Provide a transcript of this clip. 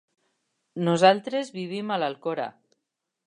Nosaltres vivim a l'Alcora.